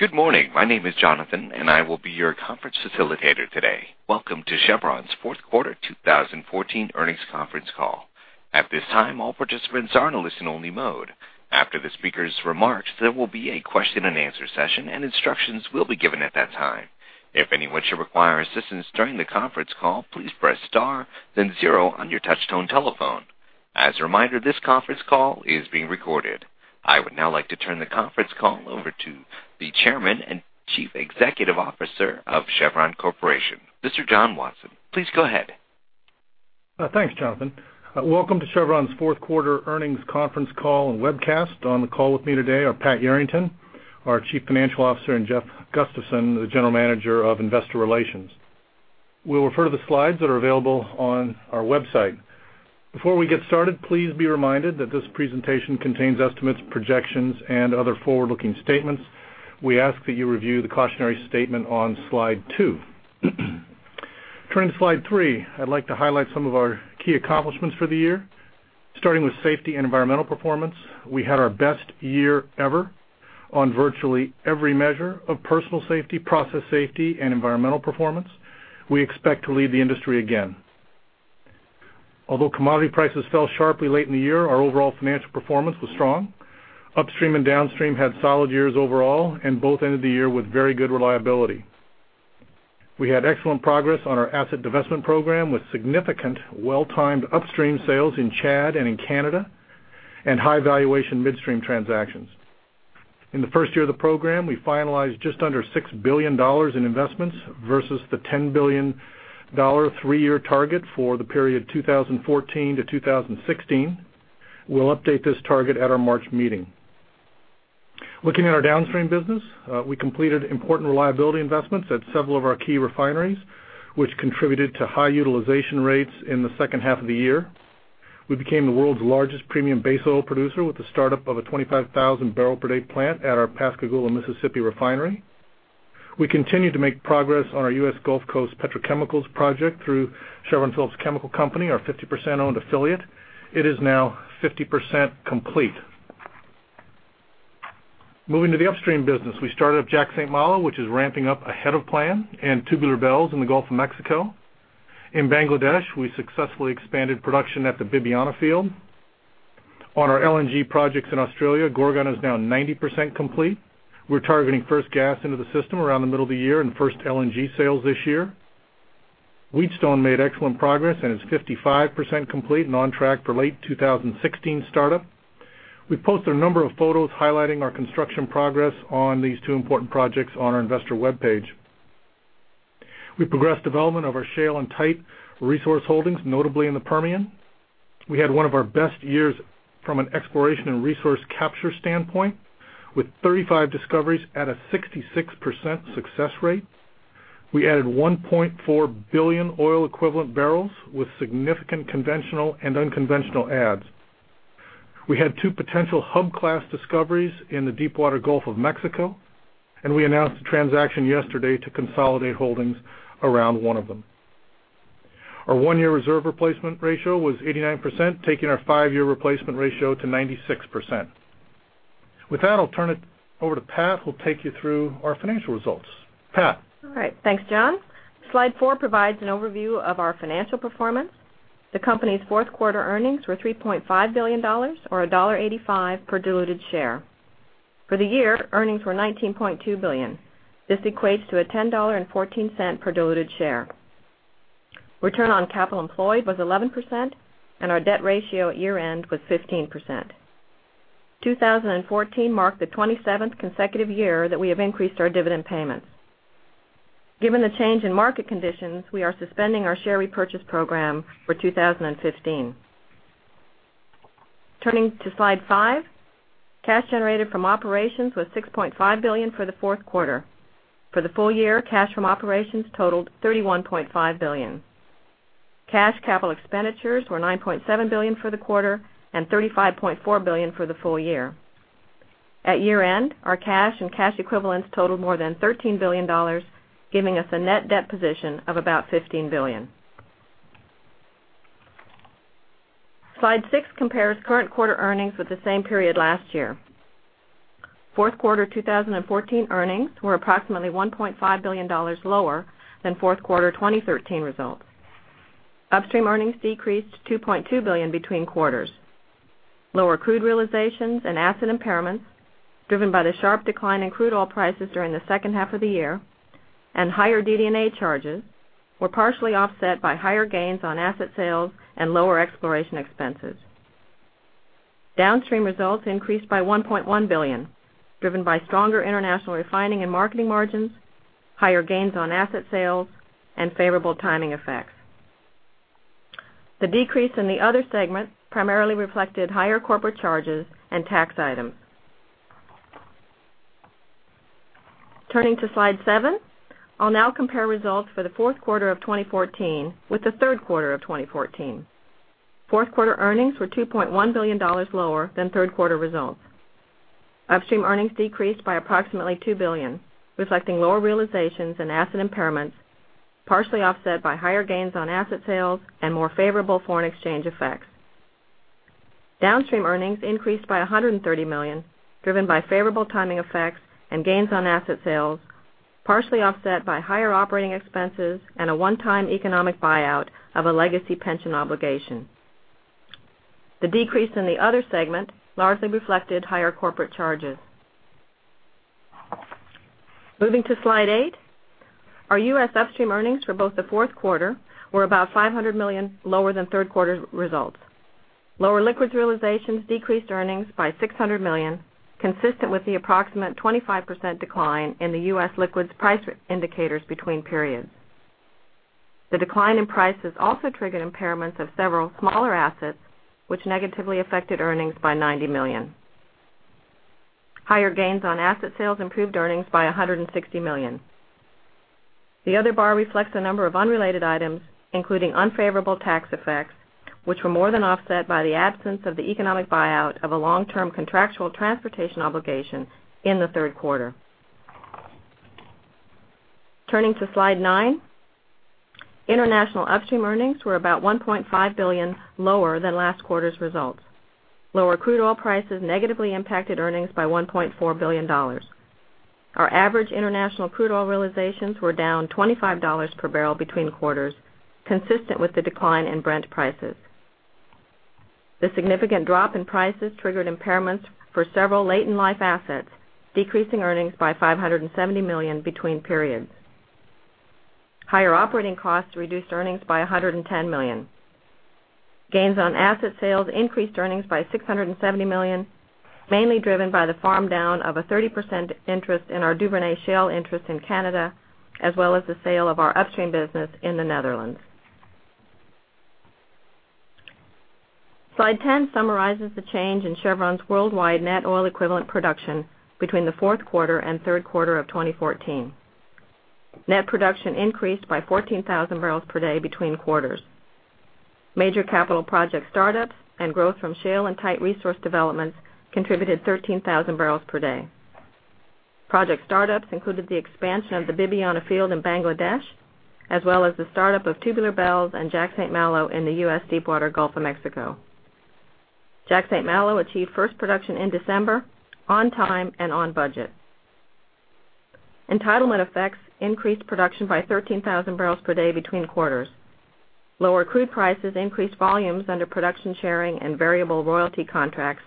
Good morning. My name is Jonathan, and I will be your conference facilitator today. Welcome to Chevron's fourth quarter 2014 earnings conference call. At this time, all participants are in a listen-only mode. After the speakers' remarks, there will be a question-and-answer session, and instructions will be given at that time. If anyone should require assistance during the conference call, please press star then zero on your touchtone telephone. As a reminder, this conference call is being recorded. I would now like to turn the conference call over to the Chairman and Chief Executive Officer of Chevron Corporation, Mr. John Watson. Please go ahead. Thanks, Jonathan. Welcome to Chevron's fourth quarter earnings conference call and webcast. On the call with me today are Pat Yarrington, our Chief Financial Officer, and Jeff Gustavson, the General Manager of Investor Relations. We'll refer to the slides that are available on our website. Before we get started, please be reminded that this presentation contains estimates, projections, and other forward-looking statements. We ask that you review the cautionary statement on slide two. Turning to slide three, I'd like to highlight some of our key accomplishments for the year. Starting with safety and environmental performance, we had our best year ever on virtually every measure of personal safety, process safety, and environmental performance. We expect to lead the industry again. Although commodity prices fell sharply late in the year, our overall financial performance was strong. Upstream and downstream had solid years overall, and both ended the year with very good reliability. We had excellent progress on our asset divestment program with significant well-timed upstream sales in Chad and in Canada, and high-valuation midstream transactions. In the first year of the program, we finalized just under $6 billion in investments versus the $10 billion three-year target for the period 2014 to 2016. We'll update this target at our March meeting. Looking at our downstream business, we completed important reliability investments at several of our key refineries, which contributed to high utilization rates in the second half of the year. We became the world's largest premium base oil producer with the startup of a 25,000-barrel-per-day plant at our Pascagoula, Mississippi refinery. We continue to make progress on our U.S. Gulf Coast petrochemicals project through Chevron Phillips Chemical Company, our 50%-owned affiliate. It is now 50% complete. Moving to the upstream business, we started up Jack/St. Malo, which is ramping up ahead of plan, and Tubular Bells in the Gulf of Mexico. In Bangladesh, we successfully expanded production at the Bibiyana field. On our LNG projects in Australia, Gorgon is now 90% complete. We're targeting first gas into the system around the middle of the year and first LNG sales this year. Wheatstone made excellent progress and is 55% complete and on track for late 2016 startup. We've posted a number of photos highlighting our construction progress on these two important projects on our investor webpage. We've progressed development of our shale and tight resource holdings, notably in the Permian. We had one of our best years from an exploration and resource capture standpoint with 35 discoveries at a 66% success rate. We added 1.4 billion oil equivalent barrels with significant conventional and unconventional adds. We had two potential hub class discoveries in the deepwater Gulf of Mexico. We announced a transaction yesterday to consolidate holdings around one of them. Our one-year reserve replacement ratio was 89%, taking our five-year replacement ratio to 96%. With that, I'll turn it over to Pat, who'll take you through our financial results. Pat? All right. Thanks, John. Slide four provides an overview of our financial performance. The company's fourth quarter earnings were $3.5 billion, or $1.85 per diluted share. For the year, earnings were $19.2 billion. This equates to a $10.14 per diluted share. Return on capital employed was 11%, and our debt ratio at year-end was 15%. 2014 marked the 27th consecutive year that we have increased our dividend payments. Given the change in market conditions, we are suspending our share repurchase program for 2015. Turning to slide five. Cash generated from operations was $6.5 billion for the fourth quarter. For the full year, cash from operations totaled $31.5 billion. Cash capital expenditures were $9.7 billion for the quarter and $35.4 billion for the full year. At year-end, our cash and cash equivalents totaled more than $13 billion, giving us a net debt position of about $15 billion. Slide six compares current quarter earnings with the same period last year. Fourth quarter 2014 earnings were approximately $1.5 billion lower than fourth quarter 2013 results. Upstream earnings decreased $2.2 billion between quarters. Lower crude realizations and asset impairments, driven by the sharp decline in crude oil prices during the second half of the year, and higher DD&A charges were partially offset by higher gains on asset sales and lower exploration expenses. Downstream results increased by $1.1 billion, driven by stronger international refining and marketing margins, higher gains on asset sales, and favorable timing effects. The decrease in the other segment primarily reflected higher corporate charges and tax items. Turning to slide seven. I'll now compare results for the fourth quarter of 2014 with the third quarter of 2014. Fourth quarter earnings were $2.1 billion lower than third quarter results. Upstream earnings decreased by approximately $2 billion, reflecting lower realizations and asset impairments, partially offset by higher gains on asset sales and more favorable foreign exchange effects. Downstream earnings increased by $130 million, driven by favorable timing effects and gains on asset sales, partially offset by higher operating expenses and a one-time economic buyout of a legacy pension obligation. The decrease in the other segment largely reflected higher corporate charges. Moving to slide eight, our U.S. upstream earnings for both the fourth quarter were about $500 million lower than third quarter results. Lower liquids realizations decreased earnings by $600 million, consistent with the approximate 25% decline in the U.S. liquids price indicators between periods. The decline in prices also triggered impairments of several smaller assets, which negatively affected earnings by $90 million. Higher gains on asset sales improved earnings by $160 million. The other bar reflects a number of unrelated items, including unfavorable tax effects, which were more than offset by the absence of the economic buyout of a long-term contractual transportation obligation in the third quarter. Turning to slide 9, international upstream earnings were about $1.5 billion lower than last quarter's results. Lower crude oil prices negatively impacted earnings by $1.4 billion. Our average international crude oil realizations were down $25 per barrel between quarters, consistent with the decline in Brent prices. The significant drop in prices triggered impairments for several late-in-life assets, decreasing earnings by $570 million between periods. Higher operating costs reduced earnings by $110 million. Gains on asset sales increased earnings by $670 million, mainly driven by the farm down of a 30% interest in our Duvernay shale interest in Canada, as well as the sale of our upstream business in the Netherlands. Slide 10 summarizes the change in Chevron's worldwide net oil equivalent production between the fourth quarter and third quarter of 2014. Net production increased by 14,000 barrels per day between quarters. Major capital project startups and growth from shale and tight resource developments contributed 13,000 barrels per day. Project startups included the expansion of the Bibiyana field in Bangladesh, as well as the startup of Tubular Bells and Jack St. Malo in the U.S. Deepwater Gulf of Mexico. Jack St. Malo achieved first production in December on time and on budget. Entitlement effects increased production by 13,000 barrels per day between quarters. Lower crude prices increased volumes under production sharing and variable royalty contracts,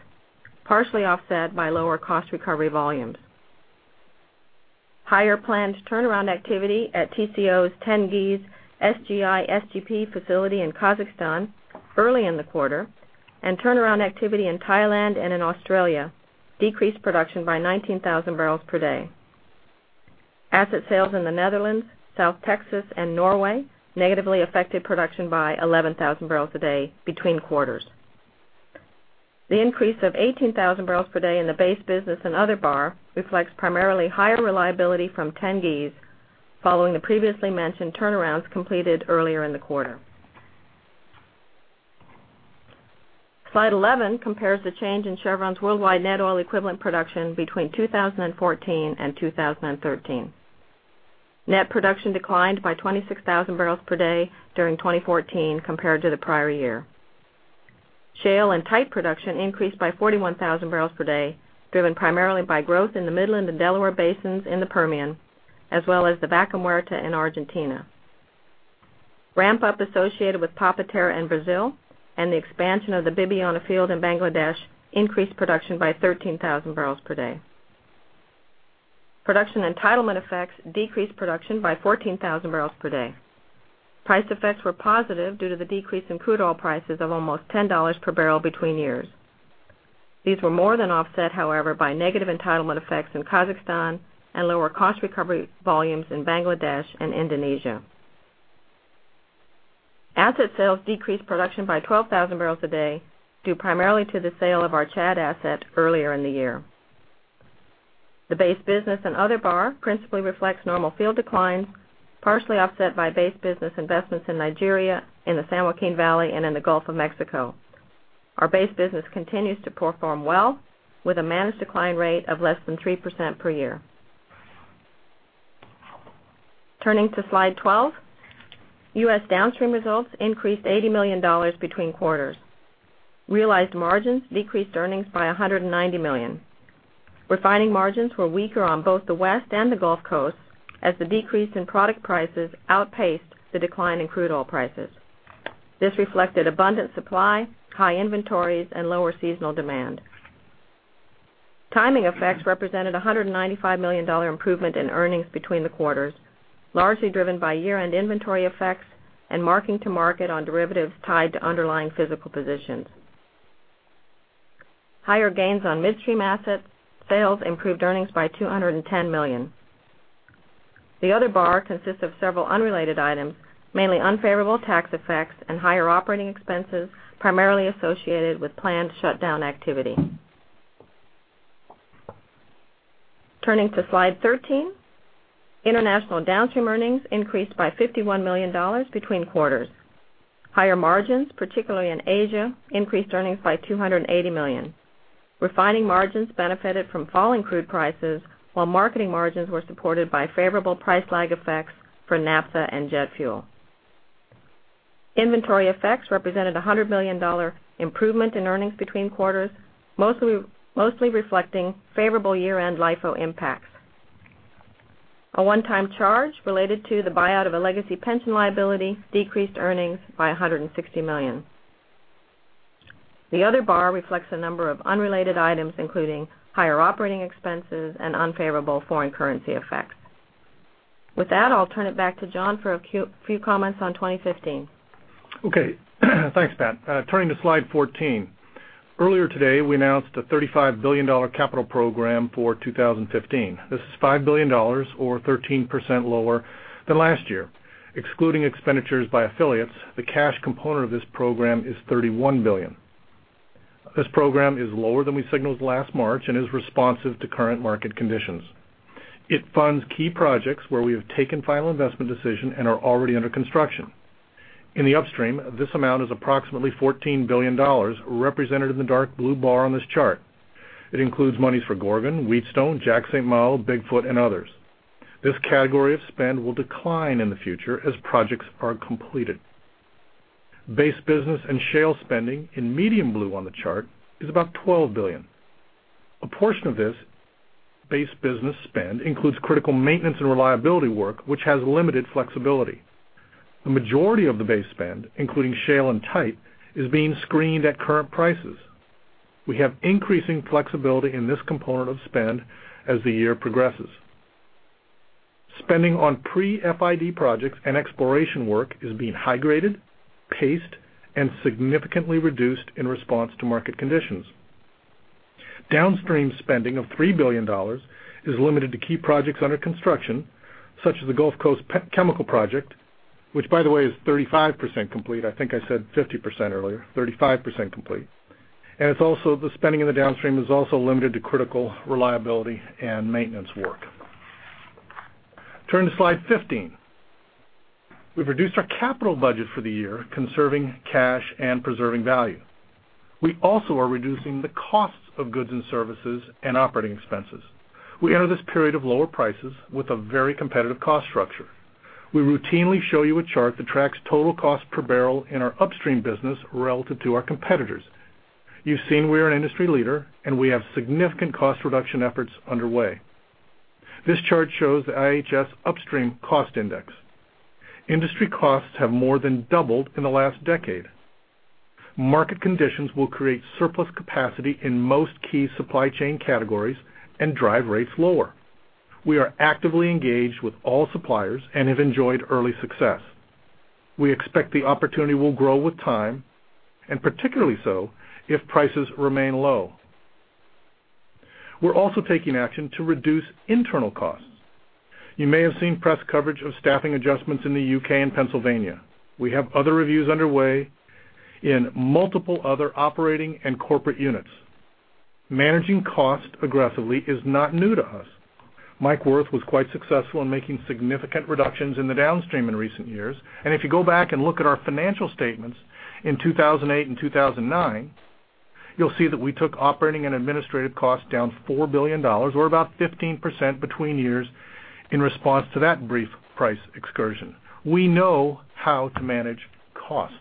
partially offset by lower cost recovery volumes. Higher planned turnaround activity at Tengizchevroil's Tengiz SGI SGP facility in Kazakhstan early in the quarter and turnaround activity in Thailand and in Australia decreased production by 19,000 barrels per day. Asset sales in the Netherlands, South Texas, and Norway negatively affected production by 11,000 barrels a day between quarters. The increase of 18,000 barrels per day in the base business and other bar reflects primarily higher reliability from Tengiz following the previously mentioned turnarounds completed earlier in the quarter. Slide 11 compares the change in Chevron's worldwide net oil equivalent production between 2014 and 2013. Net production declined by 26,000 barrels per day during 2014 compared to the prior year. Shale and tight production increased by 41,000 barrels per day, driven primarily by growth in the Midland and Delaware Basins in the Permian, as well as the Vaca Muerta in Argentina. Ramp-up associated with Papa-Terra in Brazil and the expansion of the Bibiyana field in Bangladesh increased production by 13,000 barrels per day. Production entitlement effects decreased production by 14,000 barrels per day. Price effects were positive due to the decrease in crude oil prices of almost $10 per barrel between years. These were more than offset, however, by negative entitlement effects in Kazakhstan and lower cost recovery volumes in Bangladesh and Indonesia. Asset sales decreased production by 12,000 barrels a day, due primarily to the sale of our Chad asset earlier in the year. The base business and other bar principally reflects normal field declines, partially offset by base business investments in Nigeria, in the San Joaquin Valley, and in the Gulf of Mexico. Our base business continues to perform well with a managed decline rate of less than 3% per year. Turning to slide 12, U.S. downstream results increased $80 million between quarters. Realized margins decreased earnings by $190 million. Refining margins were weaker on both the West and the Gulf Coast as the decrease in product prices outpaced the decline in crude oil prices. This reflected abundant supply, high inventories, and lower seasonal demand. Timing effects represented $195 million improvement in earnings between the quarters, largely driven by year-end inventory effects and marking to market on derivatives tied to underlying physical positions. Higher gains on midstream asset sales improved earnings by $210 million. The other bar consists of several unrelated items, mainly unfavorable tax effects and higher operating expenses, primarily associated with planned shutdown activity. Turning to slide 13, international downstream earnings increased by $51 million between quarters. Higher margins, particularly in Asia, increased earnings by $280 million. Refining margins benefited from falling crude prices, while marketing margins were supported by favorable price lag effects for naphtha and jet fuel. Inventory effects represented $100 million improvement in earnings between quarters, mostly reflecting favorable year-end LIFO impacts. A one-time charge related to the buyout of a legacy pension liability decreased earnings by $160 million. The other bar reflects a number of unrelated items, including higher operating expenses and unfavorable foreign currency effects. With that, I'll turn it back to John for a few comments on 2015. Okay. Thanks, Pat. Turning to slide 14. Earlier today, we announced a $35 billion capital program for 2015. This is $5 billion, or 13% lower than last year. Excluding expenditures by affiliates, the cash component of this program is $31 billion. This program is lower than we signaled last March and is responsive to current market conditions. It funds key projects where we have taken final investment decision and are already under construction. In the upstream, this amount is approximately $14 billion, represented in the dark blue bar on this chart. It includes monies for Gorgon, Wheatstone, Jack/St. Malo, Big Foot, and others. This category of spend will decline in the future as projects are completed. Base business and shale spending, in medium blue on the chart, is about $12 billion. A portion of this base business spend includes critical maintenance and reliability work, which has limited flexibility. The majority of the base spend, including shale and tight, is being screened at current prices. We have increasing flexibility in this component of spend as the year progresses. Spending on pre-FID projects and exploration work is being high-graded, paced, and significantly reduced in response to market conditions. Downstream spending of $3 billion is limited to key projects under construction, such as the Gulf Coast chemical project, which by the way is 35% complete. I think I said 50% earlier. 35% complete. The spending in the downstream is also limited to critical reliability and maintenance work. Turn to slide 15. We've reduced our capital budget for the year, conserving cash and preserving value. We also are reducing the costs of goods and services and operating expenses. We enter this period of lower prices with a very competitive cost structure. We routinely show you a chart that tracks total cost per barrel in our upstream business relative to our competitors. You've seen we're an industry leader. We have significant cost reduction efforts underway. This chart shows the IHS upstream cost index. Industry costs have more than doubled in the last decade. Market conditions will create surplus capacity in most key supply chain categories and drive rates lower. We are actively engaged with all suppliers and have enjoyed early success. We expect the opportunity will grow with time. Particularly so if prices remain low. We're also taking action to reduce internal costs. You may have seen press coverage of staffing adjustments in the U.K. and Pennsylvania. We have other reviews underway in multiple other operating and corporate units. Managing cost aggressively is not new to us. Mike Wirth was quite successful in making significant reductions in the downstream in recent years. If you go back and look at our financial statements in 2008 and 2009, you'll see that we took operating and administrative costs down $4 billion or about 15% between years in response to that brief price excursion. We know how to manage costs.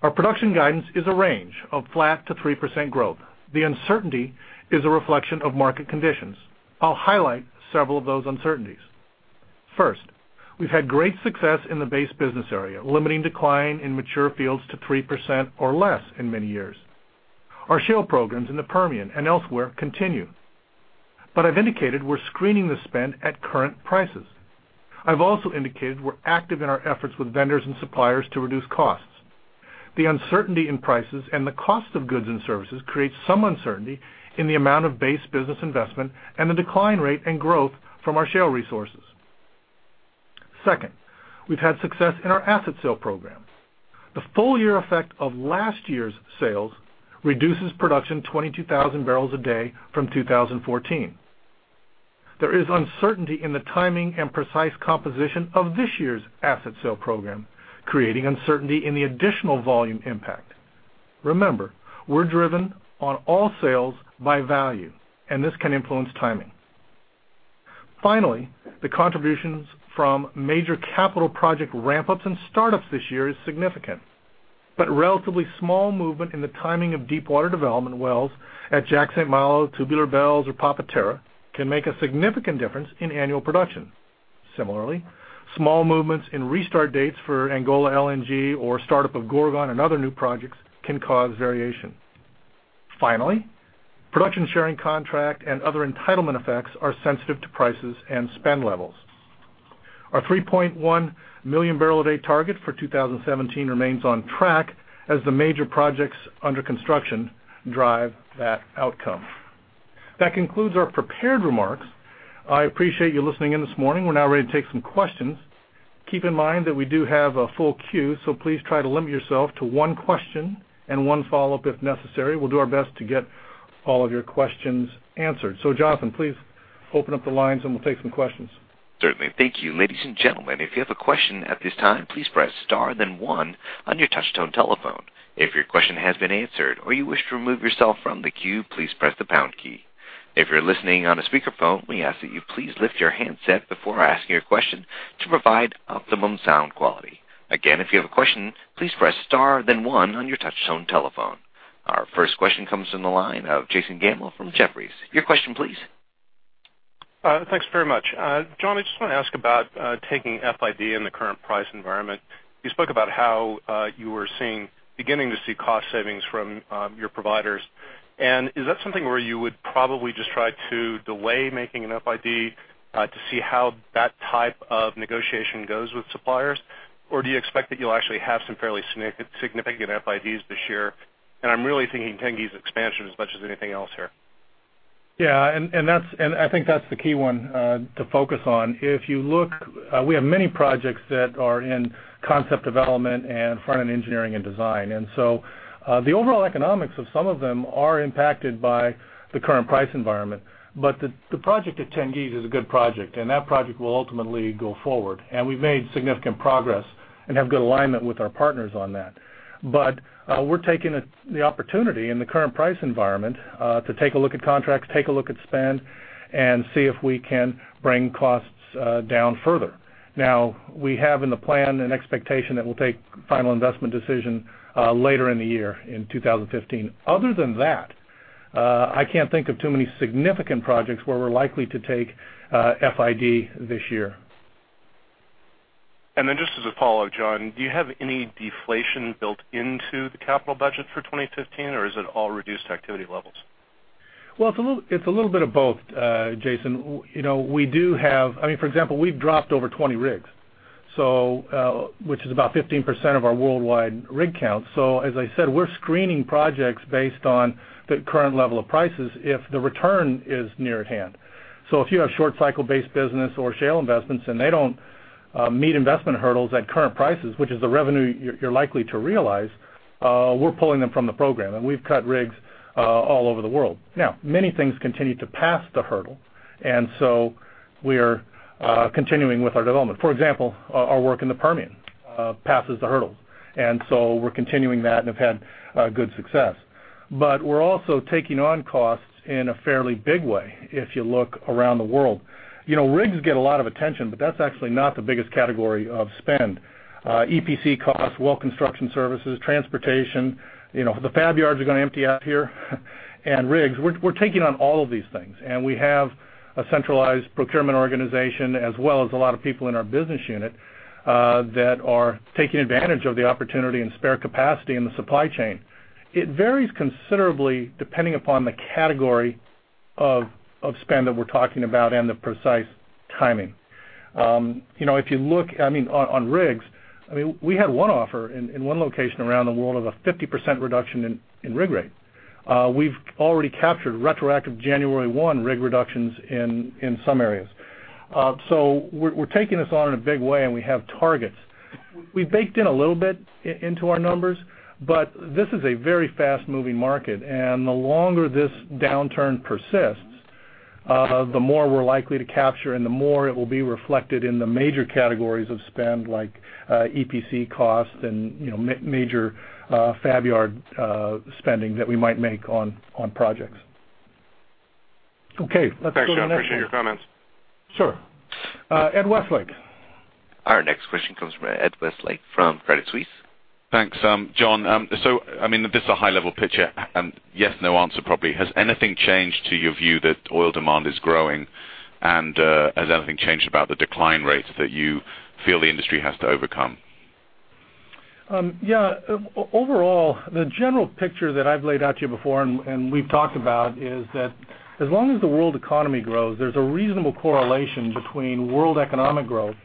Our production guidance is a range of flat to 3% growth. The uncertainty is a reflection of market conditions. I'll highlight several of those uncertainties. First, we've had great success in the base business area, limiting decline in mature fields to 3% or less in many years. Our shale programs in the Permian and elsewhere continue. I've indicated we're screening the spend at current prices. I've also indicated we're active in our efforts with vendors and suppliers to reduce costs. The uncertainty in prices and the cost of goods and services creates some uncertainty in the amount of base business investment and the decline rate and growth from our shale resources. Second, we've had success in our asset sale program. The full year effect of last year's sales reduces production 22,000 barrels a day from 2014. There is uncertainty in the timing and precise composition of this year's asset sale program, creating uncertainty in the additional volume impact. Remember, we're driven on all sales by value. This can influence timing. Finally, the contributions from major capital project ramp-ups and startups this year is significant. Relatively small movement in the timing of deepwater development wells at Jack/St. Malo, Tubular Bells, or Papa Terra can make a significant difference in annual production. Similarly, small movements in restart dates for Angola LNG or startup of Gorgon and other new projects can cause variation. Finally, production sharing contract and other entitlement effects are sensitive to prices and spend levels. Our 3.1 million barrel a day target for 2017 remains on track as the major projects under construction drive that outcome. That concludes our prepared remarks. I appreciate you listening in this morning. We're now ready to take some questions. Keep in mind that we do have a full queue, so please try to limit yourself to one question and one follow-up if necessary. We'll do our best to get all of your questions answered. Jonathan, please open up the lines and we'll take some questions. Certainly. Thank you. Ladies and gentlemen, if you have a question at this time, please press star then one on your touchtone telephone. If your question has been answered or you wish to remove yourself from the queue, please press the pound key. If you're listening on a speakerphone, we ask that you please lift your handset before asking your question to provide optimum sound quality. Again, if you have a question, please press star then one on your touchtone telephone. Our first question comes from the line of Jason Gammel from Jefferies. Your question please. Thanks very much. John, I just want to ask about taking FID in the current price environment. You spoke about how you were beginning to see cost savings from your providers. Is that something where you would probably just try to delay making an FID to see how that type of negotiation goes with suppliers? Do you expect that you'll actually have some fairly significant FIDs this year? I'm really thinking Tengiz expansion as much as anything else here. Yeah, I think that's the key one to focus on. If you look, we have many projects that are in concept development and front-end engineering and design. So the overall economics of some of them are impacted by the current price environment. The project at Tengiz is a good project, and that project will ultimately go forward. We've made significant progress and have good alignment with our partners on that. We're taking the opportunity in the current price environment to take a look at contracts, take a look at spend, and see if we can bring costs down further. Now, we have in the plan an expectation that we'll take final investment decision later in the year in 2015. Other than that, I can't think of too many significant projects where we're likely to take FID this year. Just as a follow, John, do you have any deflation built into the capital budget for 2015, or is it all reduced activity levels? It's a little bit of both, Jason. For example, we've dropped over 20 rigs, which is about 15% of our worldwide rig count. As I said, we're screening projects based on the current level of prices if the return is near at hand. If you have short cycle-based business or shale investments and they don't meet investment hurdles at current prices, which is the revenue you're likely to realize, we're pulling them from the program, and we've cut rigs all over the world. Many things continue to pass the hurdle, and we are continuing with our development. For example, our work in the Permian passes the hurdle, and we're continuing that and have had good success. We're also taking on costs in a fairly big way if you look around the world. Rigs get a lot of attention, that's actually not the biggest category of spend. EPC costs, well construction services, transportation, the fab yards are going to empty out here, and rigs. We're taking on all of these things, and we have a centralized procurement organization as well as a lot of people in our business unit that are taking advantage of the opportunity and spare capacity in the supply chain. It varies considerably depending upon the category of spend that we're talking about and the precise timing. If you look on rigs, we had one offer in one location around the world of a 50% reduction in rig rate. We've already captured retroactive January one rig reductions in some areas. We're taking this on in a big way, and we have targets. We baked in a little bit into our numbers, this is a very fast-moving market, and the longer this downturn persists, the more we're likely to capture and the more it will be reflected in the major categories of spend, like EPC cost and major fab yard spending that we might make on projects. Okay, let's go to the next one. Thanks, John. Appreciate your comments. Sure. Ed Westlake. Our next question comes from Ed Westlake from Credit Suisse. Thanks. John, this is a high-level picture and yes, no answer probably. Has anything changed to your view that oil demand is growing? Has anything changed about the decline rates that you feel the industry has to overcome? Yeah. Overall, the general picture that I've laid out to you before and we've talked about is that as long as the world economy grows, there's a reasonable correlation between world economic growth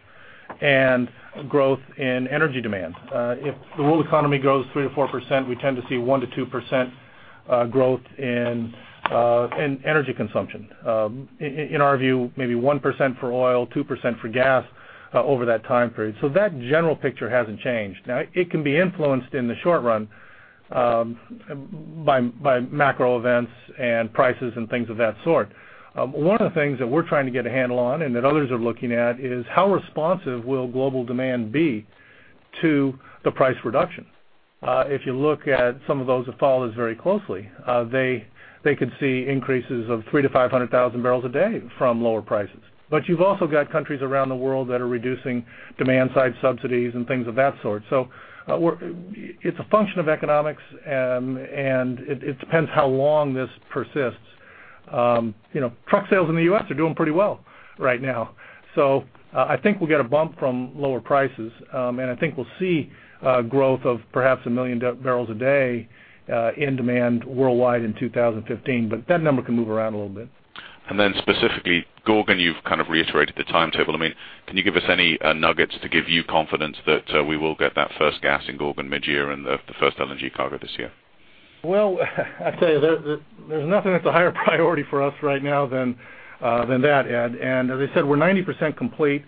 and growth in energy demand. If the world economy grows 3%-4%, we tend to see 1%-2% growth in energy consumption. In our view, maybe 1% for oil, 2% for gas over that time period. That general picture hasn't changed. It can be influenced in the short run by macro events and prices and things of that sort. One of the things that we're trying to get a handle on and that others are looking at is how responsive will global demand be to the price reduction. If you look at some of those that follow this very closely, they could see increases of 300,000 to 500,000 barrels a day from lower prices. You've also got countries around the world that are reducing demand-side subsidies and things of that sort. It's a function of economics, and it depends how long this persists. Truck sales in the U.S. are doing pretty well right now. I think we'll get a bump from lower prices, and I think we'll see growth of perhaps 1 million barrels a day in demand worldwide in 2015, but that number can move around a little bit. Specifically Gorgon, you've kind of reiterated the timetable. Can you give us any nuggets to give you confidence that we will get that first gas in Gorgon mid-year and the first LNG cargo this year? Well, I tell you, there's nothing that's a higher priority for us right now than that, Ed. As I said, we're 90% complete.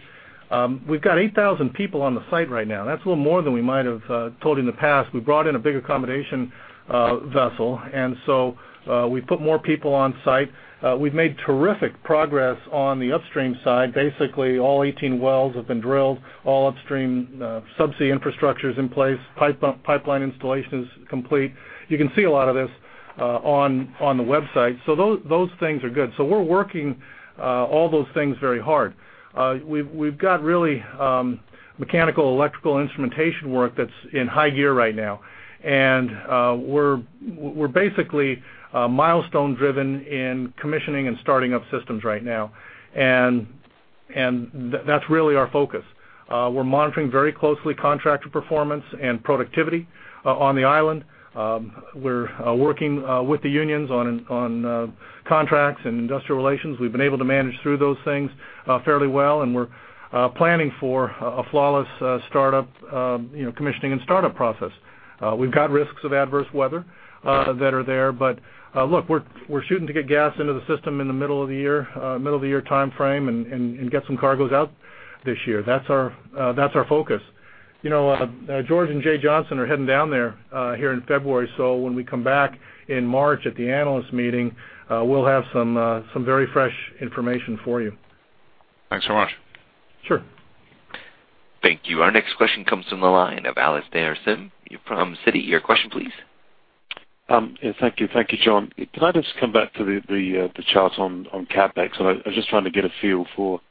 We've got 8,000 people on the site right now, and that's a little more than we might have told in the past. We brought in a big accommodation vessel, we put more people on site. We've made terrific progress on the upstream side. Basically, all 18 wells have been drilled, all upstream subsea infrastructure's in place, pipeline installation is complete. You can see a lot of this on the website. Those things are good. We're working all those things very hard. We've got really mechanical, electrical, and instrumentation work that's in high gear right now. We're basically milestone-driven in commissioning and starting up systems right now, and that's really our focus. We're monitoring very closely contractor performance and productivity on the island. We're working with the unions on contracts and industrial relations. We've been able to manage through those things fairly well, we're planning for a flawless commissioning and startup process. We've got risks of adverse weather that are there, look, we're shooting to get gas into the system in the middle of the year timeframe and get some cargoes out this year. That's our focus. George and Jay Johnson are heading down there here in February, when we come back in March at the analyst meeting, we'll have some very fresh information for you. Thanks so much. Sure. Thank you. Our next question comes from the line of Alastair Syme from Citi. Your question please. Thank you, John. Can I just come back to the chart on CapEx? I'm just trying to get a feel for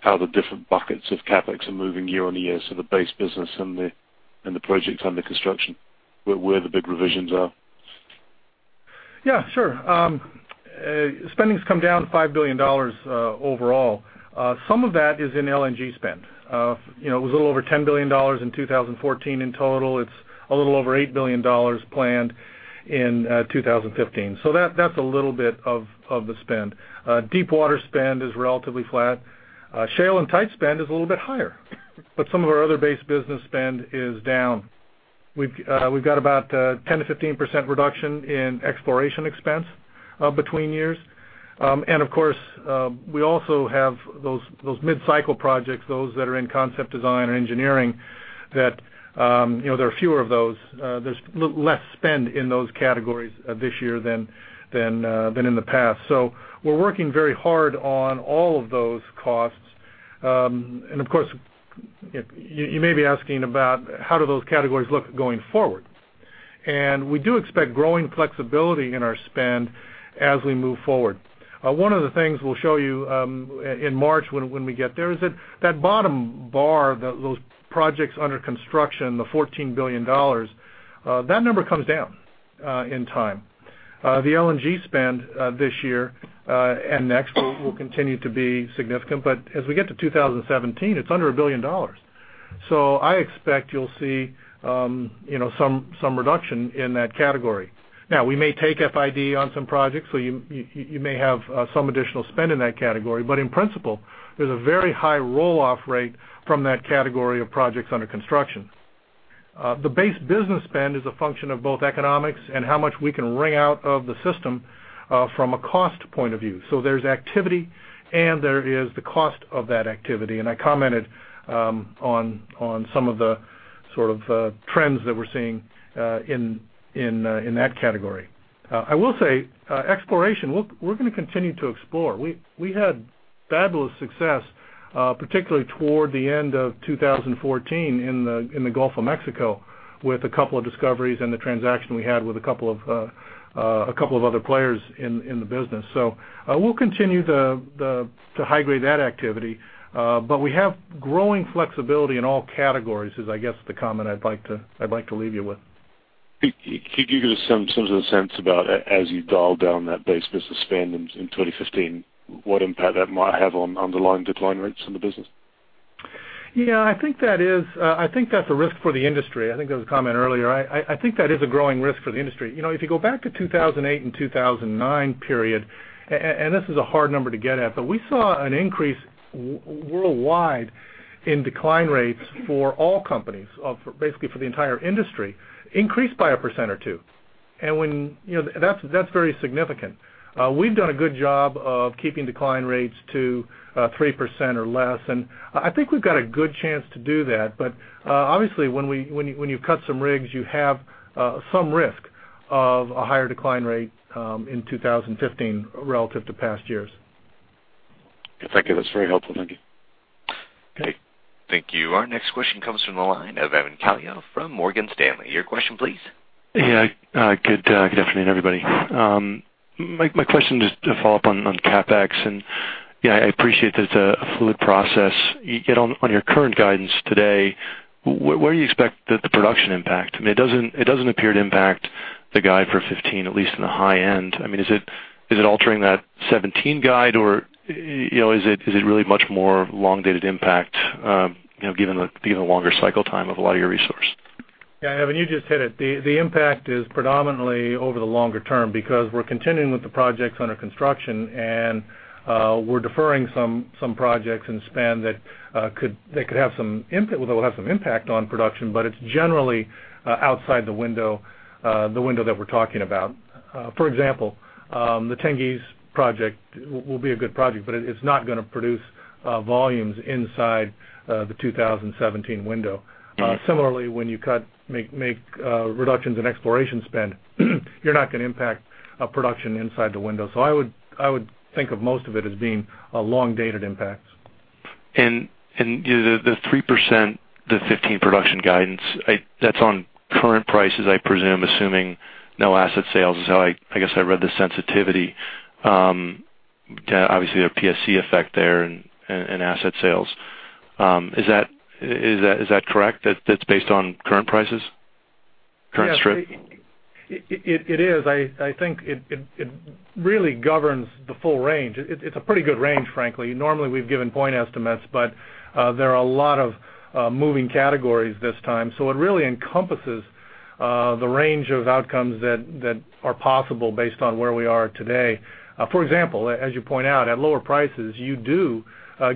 how the different buckets of CapEx are moving year-on-year, so the base business and the projects under construction, where the big revisions are. Sure. Spending's come down $5 billion overall. Some of that is in LNG spend. It was a little over $10 billion in 2014 in total. It's a little over $8 billion planned in 2015. That's a little bit of the spend. Deepwater spend is relatively flat. Shale and tight spend is a little bit higher. Some of our other base business spend is down. We've got about 10%-15% reduction in exploration expense between years. Of course, we also have those mid-cycle projects, those that are in concept design and engineering, there are fewer of those. There's less spend in those categories this year than in the past. We're working very hard on all of those costs. Of course, you may be asking about how do those categories look going forward. We do expect growing flexibility in our spend as we move forward. One of the things we'll show you in March when we get there is that bottom bar, those projects under construction, the $14 billion, that number comes down in time. The LNG spend this year and next will continue to be significant, but as we get to 2017, it's under $1 billion. I expect you'll see some reduction in that category. We may take FID on some projects, so you may have some additional spend in that category. In principle, there's a very high roll-off rate from that category of projects under construction. The base business spend is a function of both economics and how much we can ring out of the system from a cost point of view. There's activity and there is the cost of that activity, and I commented on some of the sort of trends that we're seeing in that category. I will say, exploration, we're going to continue to explore. We had fabulous success, particularly toward the end of 2014 in the Gulf of Mexico with a couple of discoveries and the transaction we had with a couple of other players in the business. We'll continue to high-grade that activity, but we have growing flexibility in all categories is, I guess, the comment I'd like to leave you with. Could you give us some sort of sense about as you dial down that base business spend in 2015, what impact that might have on underlying decline rates in the business? I think that's a risk for the industry. I think there was a comment earlier. I think that is a growing risk for the industry. If you go back to 2008 and 2009 period, and this is a hard number to get at, but we saw an increase worldwide in decline rates for all companies, basically for the entire industry, increased by 1% or 2%. That's very significant. We've done a good job of keeping decline rates to 3% or less, and I think we've got a good chance to do that. Obviously, when you cut some rigs, you have some risk of a higher decline rate in 2015 relative to past years. Thank you. That's very helpful. Thank you. Okay. Thank you. Our next question comes from the line of Evan Calio from Morgan Stanley. Your question, please. Yeah. Good afternoon, everybody. My question is to follow up on CapEx and I appreciate that it's a fluid process. Yet on your current guidance today, where do you expect the production impact? I mean, it doesn't appear to impact the guide for 2015, at least in the high end. I mean, is it altering that 2017 guide or is it really much more long-dated impact given the longer cycle time of a lot of your resource? Yeah, Evan, you just hit it. The impact is predominantly over the longer term because we're continuing with the projects under construction and we're deferring some projects and spend that will have some impact on production, but it's generally outside the window that we're talking about. For example, the Tengiz project will be a good project, but it's not going to produce volumes inside the 2017 window. Similarly, when you make reductions in exploration spend, you're not going to impact production inside the window. I would think of most of it as being long-dated impacts. The 3%, the '15 production guidance, that's on current prices, I presume, assuming no asset sales is how I guess I read the sensitivity. Obviously, a PSC effect there and asset sales. Is that correct, that's based on current prices? Current strip? Yes. It is. I think it really governs the full range. It's a pretty good range, frankly. Normally we've given point estimates, but there are a lot of moving categories this time. It really encompasses the range of outcomes that are possible based on where we are today. For example, as you point out, at lower prices you do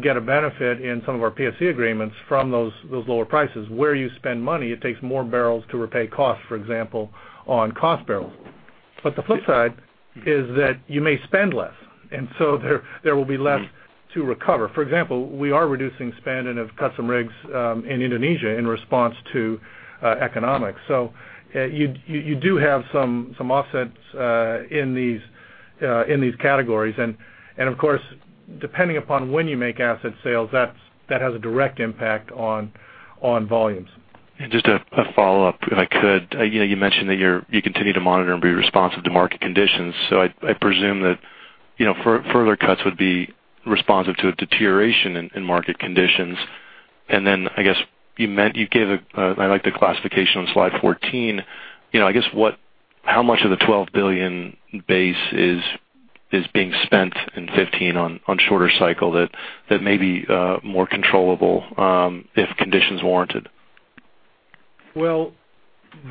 get a benefit in some of our PSC agreements from those lower prices. Where you spend money, it takes more barrels to repay costs, for example, on cost barrels. The flip side is that you may spend less, and so there will be less to recover. For example, we are reducing spend and have cut some rigs in Indonesia in response to economics. You do have some offsets in these categories. Of course, depending upon when you make asset sales, that has a direct impact on volumes. Just a follow-up, if I could. You mentioned that you continue to monitor and be responsive to market conditions, I presume that further cuts would be responsive to a deterioration in market conditions. I guess you gave, I like the classification on slide 14. I guess how much of the $12 billion base is being spent in '15 on shorter cycle that may be more controllable if conditions warranted? Well,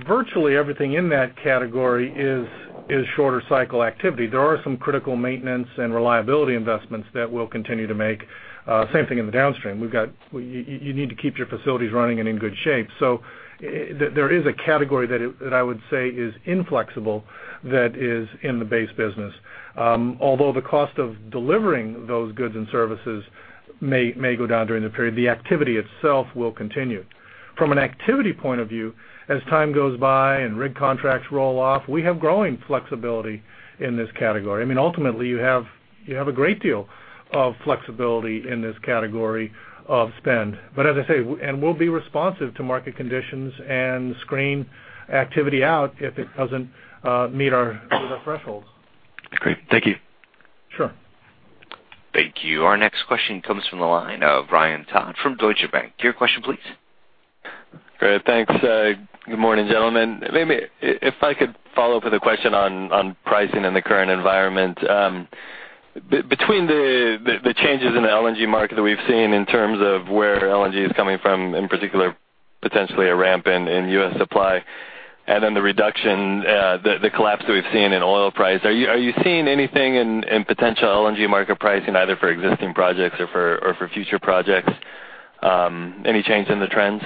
virtually everything in that category is shorter cycle activity. There are some critical maintenance and reliability investments that we'll continue to make. Same thing in the downstream. You need to keep your facilities running and in good shape. There is a category that I would say is inflexible that is in the base business. Although the cost of delivering those goods and services may go down during the period, the activity itself will continue. From an activity point of view, as time goes by and rig contracts roll off, we have growing flexibility in this category. I mean ultimately you have a great deal of flexibility in this category of spend. As I say, and we'll be responsive to market conditions and screen activity out if it doesn't meet our thresholds. Great. Thank you. Sure. Thank you. Our next question comes from the line of Ryan Todd from Deutsche Bank. Your question please. Great, thanks. Good morning, gentlemen. Maybe if I could follow up with a question on pricing in the current environment. Between the changes in the LNG market that we've seen in terms of where LNG is coming from, in particular, potentially a ramp in U.S. supply, and then the collapse that we've seen in oil price, are you seeing anything in potential LNG market pricing either for existing projects or for future projects? Any change in the trends?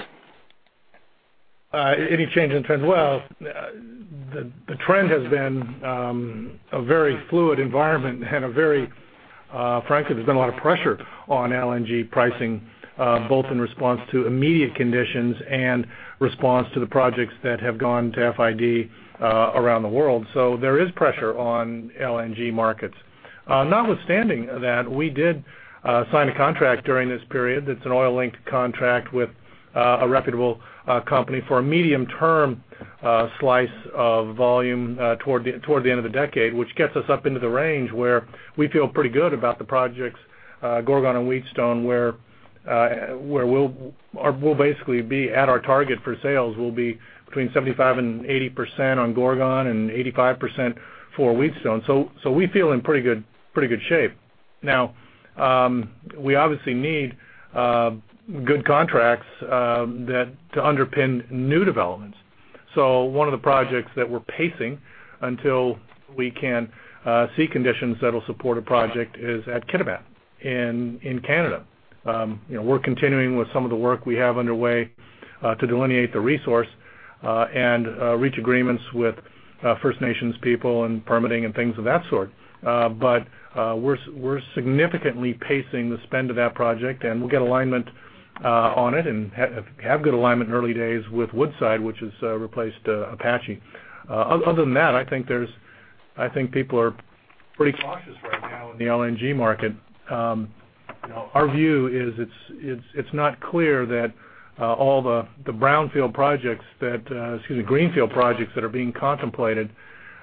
Any change in trends? Well, the trend has been a very fluid environment. Frankly, there's been a lot of pressure on LNG pricing, both in response to immediate conditions and response to the projects that have gone to FID around the world. There is pressure on LNG markets. Notwithstanding that, we did sign a contract during this period that's an oil-linked contract with a reputable company for a medium term slice of volume toward the end of the decade, which gets us up into the range where we feel pretty good about the projects Gorgon and Wheatstone where we'll basically be at our target for sales will be between 75% and 80% on Gorgon and 85% for Wheatstone. We feel in pretty good shape. We obviously need good contracts to underpin new developments. One of the projects that we're pacing until we can see conditions that'll support a project is at Kitimat in Canada. We're continuing with some of the work we have underway to delineate the resource and reach agreements with First Nations people and permitting and things of that sort. We're significantly pacing the spend of that project, and we'll get alignment on it and have good alignment in early days with Woodside, which has replaced Apache. Other than that, I think people are pretty cautious right now in the LNG market. Our view is it's not clear that all the greenfield projects that are being contemplated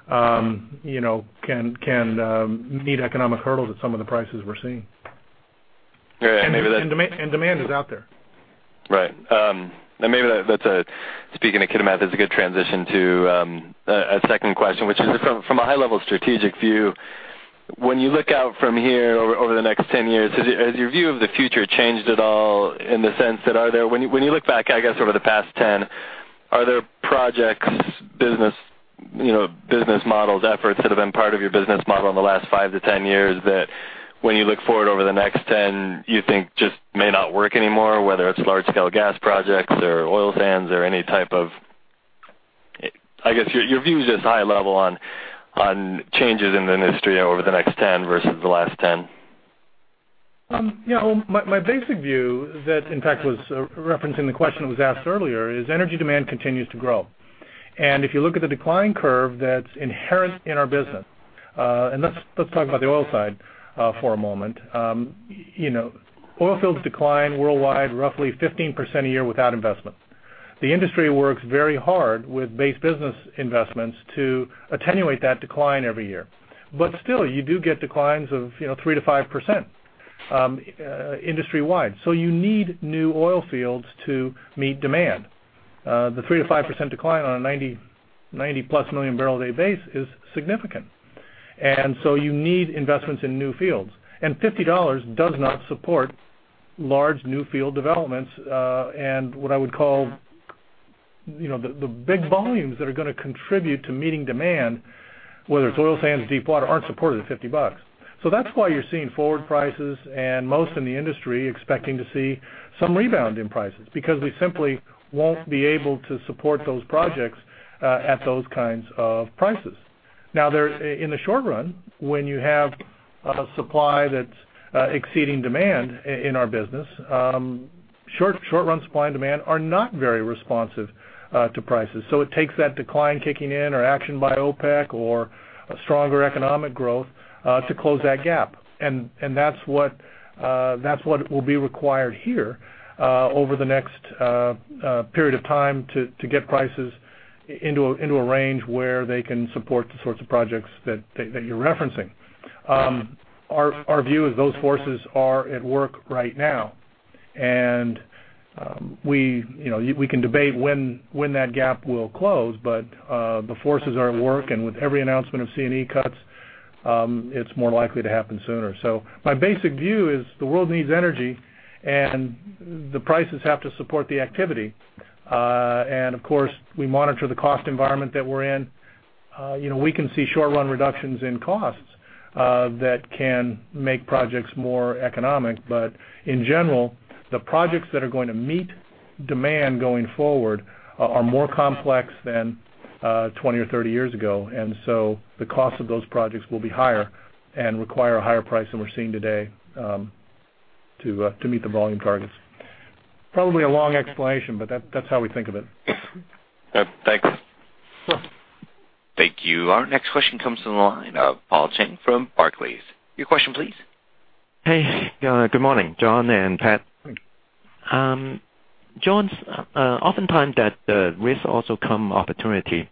can meet economic hurdles at some of the prices we're seeing. Yeah, maybe that. Demand is out there. Right. Maybe speaking of Kitimat, that's a good transition to a second question, which is from a high level strategic view. When you look out from here over the next 10 years, has your view of the future changed at all in the sense that when you look back, I guess, over the past 10, are there projects, business models, efforts that have been part of your business model in the last 5 to 10 years that when you look forward over the next 10, you think just may not work anymore, whether it's large-scale gas projects or oil sands or any type of, I guess your views just high level on changes in the industry over the next 10 versus the last 10? My basic view that in fact was referencing the question that was asked earlier is energy demand continues to grow. If you look at the decline curve that's inherent in our business, let's talk about the oil side for a moment. Oil fields decline worldwide roughly 15% a year without investment. The industry works very hard with base business investments to attenuate that decline every year. Still, you do get declines of 3%-5% industry wide. You need new oil fields to meet demand. The 3%-5% decline on a 90-plus million barrel a day base is significant. You need investments in new fields. $50 does not support large new field developments, what I would call the big volumes that are going to contribute to meeting demand, whether it's oil sands, deepwater, aren't supported at $50. That's why you're seeing forward prices and most in the industry expecting to see some rebound in prices because we simply won't be able to support those projects at those kinds of prices. In the short run, when you have supply that's exceeding demand in our business, short run supply and demand are not very responsive to prices. It takes that decline kicking in or action by OPEC or a stronger economic growth to close that gap. That's what will be required here over the next period of time to get prices into a range where they can support the sorts of projects that you're referencing. Our view is those forces are at work right now. We can debate when that gap will close, but the forces are at work and with every announcement of C&E cuts, it's more likely to happen sooner. My basic view is the world needs energy and the prices have to support the activity. Of course, we monitor the cost environment that we're in. We can see short run reductions in costs that can make projects more economic. In general, the projects that are going to meet demand going forward are more complex than 20 or 30 years ago. The cost of those projects will be higher and require a higher price than we're seeing today to meet the volume targets. Probably a long explanation, but that's how we think of it. Thanks. Thank you. Our next question comes from the line of Paul Cheng from Barclays. Your question, please. Good morning, John and Pat. John, oftentimes that risk also comes opportunity,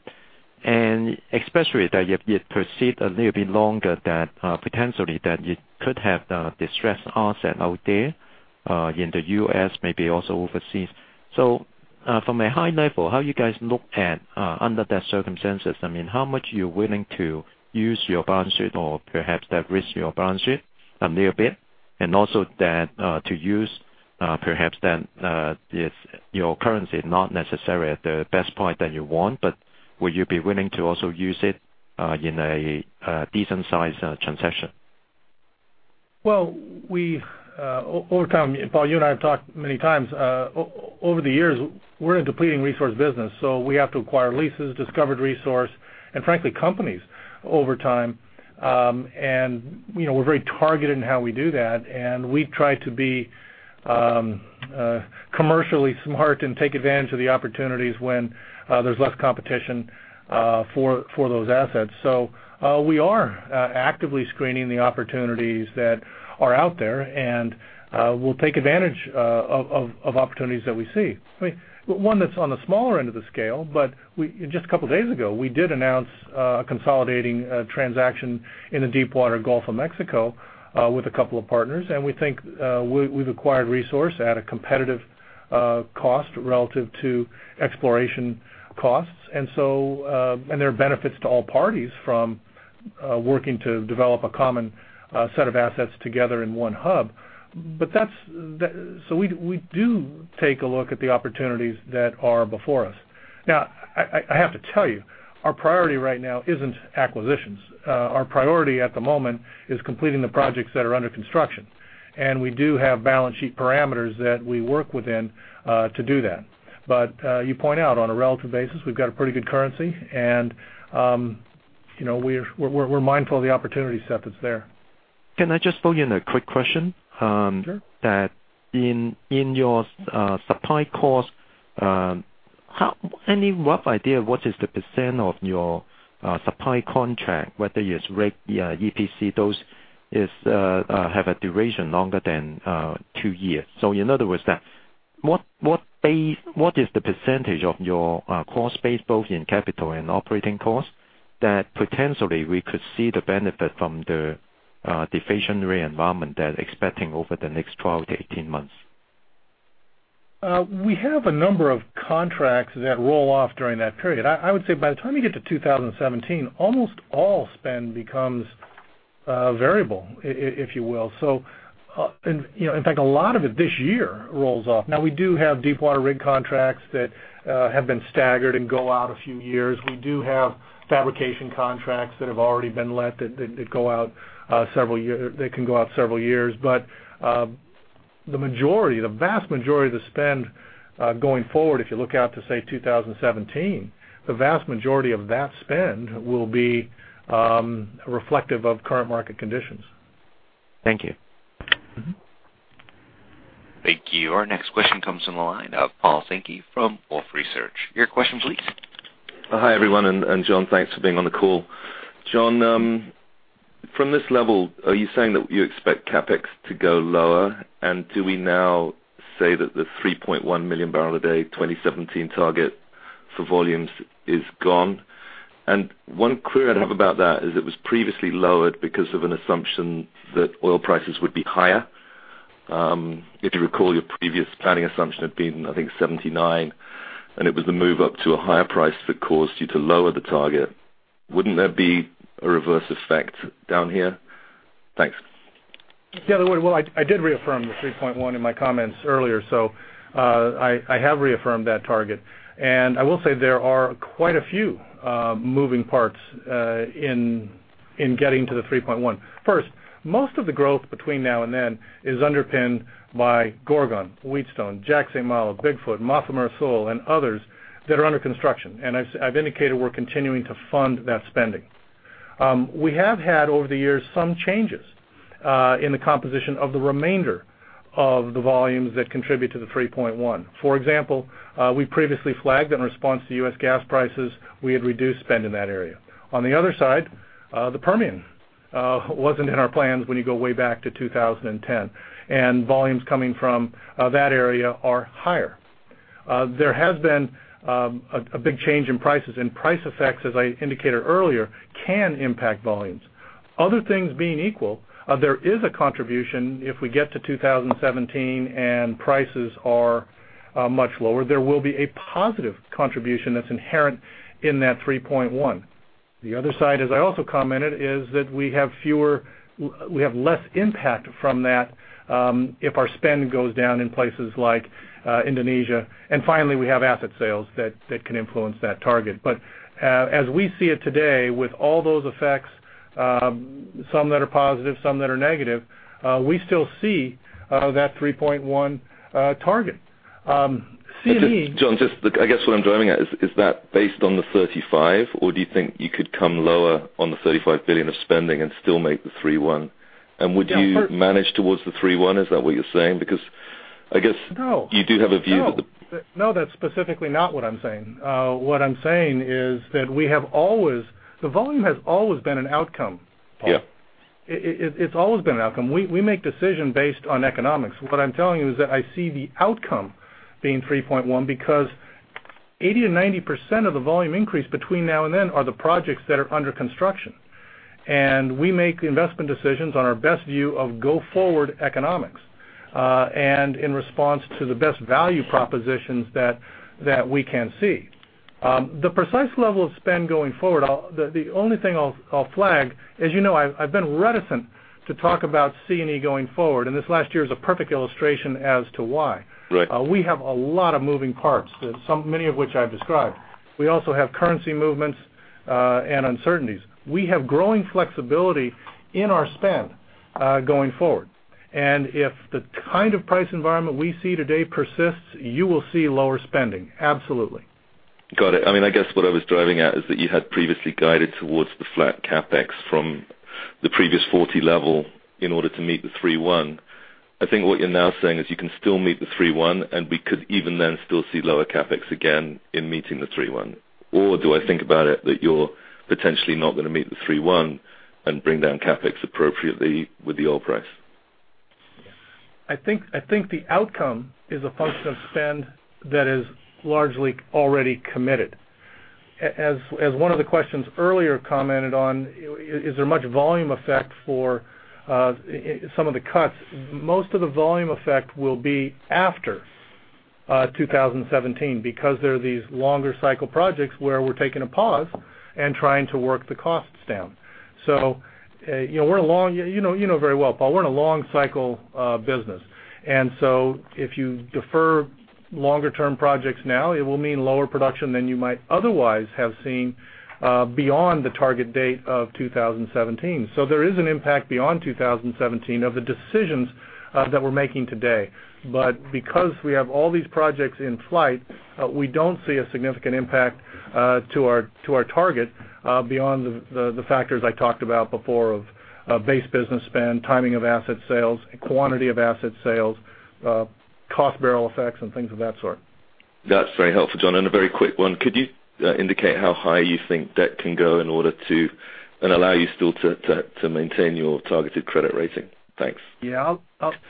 and especially that you proceed a little bit longer that potentially that you could have distressed asset out there in the U.S. maybe also overseas. From a high level, how you guys look at under that circumstances, how much you're willing to use your balance sheet or perhaps that risk your balance sheet a little bit, and also that to use perhaps then if your currency not necessarily at the best point that you want, but will you be willing to also use it in a decent size transaction? Over time, Paul, you and I have talked many times. Over the years, we're a depleting resource business, we have to acquire leases, discovered resource, and frankly, companies over time. We're very targeted in how we do that, and we try to be commercially smart and take advantage of the opportunities when there's less competition for those assets. We are actively screening the opportunities that are out there, and we'll take advantage of opportunities that we see. One that's on the smaller end of the scale, but just a couple of days ago, we did announce a consolidating transaction in the deepwater Gulf of Mexico with a couple of partners, and we think we've acquired resource at a competitive cost relative to exploration costs. There are benefits to all parties from working to develop a common set of assets together in one hub. We do take a look at the opportunities that are before us. I have to tell you, our priority right now isn't acquisitions. Our priority at the moment is completing the projects that are under construction. We do have balance sheet parameters that we work within to do that. You point out on a relative basis, we've got a pretty good currency, and we're mindful of the opportunity set that's there. Can I just throw in a quick question? Sure. That in your supply cost, any rough idea what is the % of your supply contract, whether it's rate EPC, those have a duration longer than two years? In other words, what is the % of your cost base, both in capital and operating cost, that potentially we could see the benefit from the deflationary environment that expecting over the next 12 months-18 months? We have a number of contracts that roll off during that period. I would say by the time you get to 2017, almost all spend becomes variable, if you will. In fact, a lot of it this year rolls off. We do have deepwater rig contracts that have been staggered and go out a few years. We do have fabrication contracts that have already been let that can go out several years. The vast majority of the spend going forward, if you look out to, say, 2017, the vast majority of that spend will be reflective of current market conditions. Thank you. Thank you. Our next question comes from the line of Paul Sankey from Wolfe Research. Your question, please. Hi, everyone, and John, thanks for being on the call. John, from this level, are you saying that you expect CapEx to go lower? Do we now say that the 3.1 million barrel a day 2017 target for volumes is gone? One query I'd have about that is it was previously lowered because of an assumption that oil prices would be higher. If you recall, your previous planning assumption had been, I think, $79, and it was the move up to a higher price that caused you to lower the target. Wouldn't there be a reverse effect down here? Thanks. The other way. Well, I did reaffirm the 3.1 in my comments earlier, so I have reaffirmed that target. I will say there are quite a few moving parts in getting to the 3.1. First, most of the growth between now and then is underpinned by Gorgon, Wheatstone, Jack/St. Malo, Big Foot, Mafumeira Sul and others that are under construction. I've indicated we're continuing to fund that spending. We have had, over the years, some changes in the composition of the remainder of the volumes that contribute to the 3.1. For example, we previously flagged in response to U.S. gas prices, we had reduced spend in that area. On the other side, the Permian wasn't in our plans when you go way back to 2010, and volumes coming from that area are higher. There has been a big change in prices, and price effects, as I indicated earlier, can impact volumes. Other things being equal, there is a contribution if we get to 2017 and prices are much lower. There will be a positive contribution that's inherent in that 3.1. The other side, as I also commented, is that we have less impact from that if our spend goes down in places like Indonesia. Finally, we have asset sales that can influence that target. As we see it today, with all those effects, some that are positive, some that are negative, we still see that 3.1 target. John, I guess what I'm driving at is that based on the $35 billion, or do you think you could come lower on the $35 billion of spending and still make the 3.1? Would you manage towards the 3.1? Is that what you're saying? No you do have a view that. No, that's specifically not what I'm saying. What I'm saying is that the volume has always been an outcome, Paul. Yeah. It's always been an outcome. We make decision based on economics. What I'm telling you is that I see the outcome being 3.1 because 80%-90% of the volume increase between now and then are the projects that are under construction. We make investment decisions on our best view of go forward economics, and in response to the best value propositions that we can see. The precise level of spend going forward, the only thing I'll flag, as you know, I've been reticent to talk about C&E going forward, and this last year is a perfect illustration as to why. Right. We have a lot of moving parts, many of which I've described. We also have currency movements and uncertainties. We have growing flexibility in our spend going forward. If the kind of price environment we see today persists, you will see lower spending. Absolutely. Got it. I guess what I was driving at is that you had previously guided towards the flat CapEx from the previous $40 level in order to meet the 3.1. I think what you're now saying is you can still meet the 3.1, and we could even then still see lower CapEx again in meeting the 3.1. Do I think about it that you're potentially not going to meet the 3.1 and bring down CapEx appropriately with the oil price? I think the outcome is a function of spend that is largely already committed. As one of the questions earlier commented on, is there much volume effect for some of the cuts? Most of the volume effect will be after 2017 because there are these longer cycle projects where we're taking a pause and trying to work the costs down. You know very well, Paul, we're in a long cycle business. If you defer longer term projects now, it will mean lower production than you might otherwise have seen beyond the target date of 2017. There is an impact beyond 2017 of the decisions that we're making today. Because we have all these projects in flight, we don't see a significant impact to our target beyond the factors I talked about before of base business spend, timing of asset sales, quantity of asset sales, cost barrel effects, and things of that sort. That's very helpful, John. A very quick one. Could you indicate how high you think debt can go in order to allow you still to maintain your targeted credit rating? Thanks. Yeah.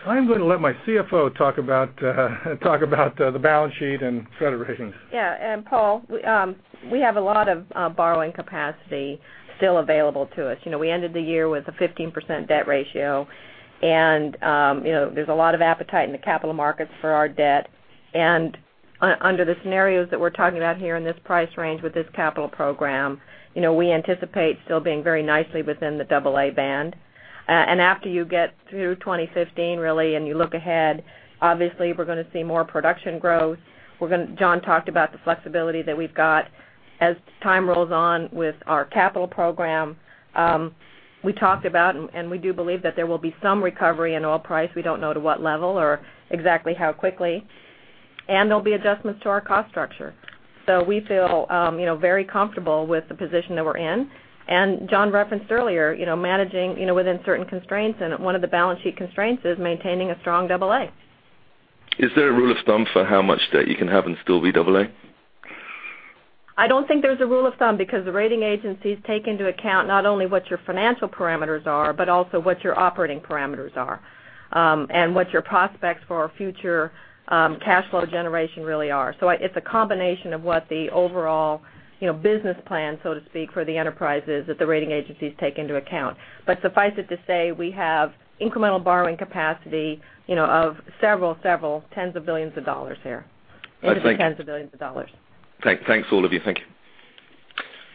I'm going to let my CFO talk about the balance sheet and credit ratings. Yeah. Paul, we have a lot of borrowing capacity still available to us. We ended the year with a 15% debt ratio. There's a lot of appetite in the capital markets for our debt. Under the scenarios that we're talking about here in this price range with this capital program, we anticipate still being very nicely within the double A band. After you get through 2015, really, and you look ahead, obviously we're going to see more production growth. John talked about the flexibility that we've got as time rolls on with our capital program. We talked about, and we do believe that there will be some recovery in oil price. We don't know to what level or exactly how quickly, and there'll be adjustments to our cost structure. We feel very comfortable with the position that we're in. John referenced earlier, managing within certain constraints, and one of the balance sheet constraints is maintaining a strong double A. Is there a rule of thumb for how much debt you can have and still be double A? I don't think there's a rule of thumb because the rating agencies take into account not only what your financial parameters are, but also what your operating parameters are. What your prospects for future cash flow generation really are. It's a combination of what the overall business plan, so to speak, for the enterprise is that the rating agencies take into account. Suffice it to say, we have incremental borrowing capacity of several tens of billions of dollars here. I think- Into the tens of billions of dollars. Thanks all of you. Thank you.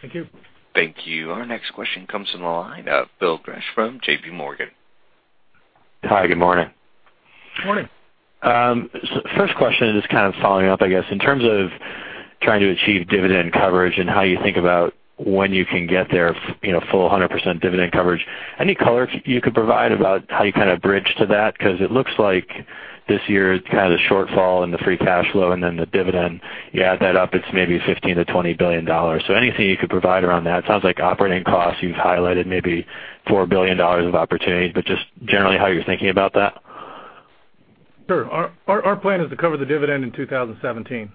Thank you. Thank you. Our next question comes from the line of Phil Gresh from J.P. Morgan. Hi, good morning. Good morning. First question is just following up, I guess. In terms of trying to achieve dividend coverage and how you think about when you can get there, full 100% dividend coverage, any color you could provide about how you bridge to that? It looks like this year, it's the shortfall in the free cash flow and then the dividend, you add that up, it's maybe $15 billion-$20 billion. Anything you could provide around that. Sounds like operating costs you've highlighted maybe $4 billion of opportunity, just generally how you're thinking about that. Sure. Our plan is to cover the dividend in 2017,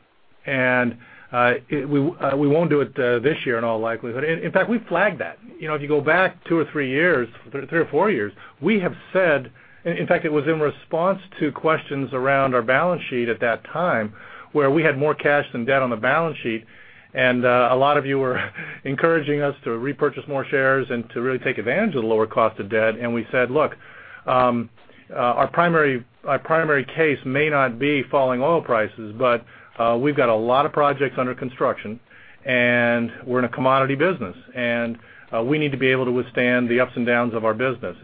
we won't do it this year in all likelihood. In fact, we flagged that. If you go back two or three years, three or four years, we have said, in fact, it was in response to questions around our balance sheet at that time, where we had more cash than debt on the balance sheet, a lot of you were encouraging us to repurchase more shares and to really take advantage of the lower cost of debt. We said, look, our primary case may not be falling oil prices, we've got a lot of projects under construction, we're in a commodity business, we need to be able to withstand the ups and downs of our business.